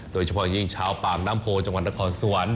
โดยเฉพาะอย่างยิ่งชาวปากน้ำโพจังหวัดนครสวรรค์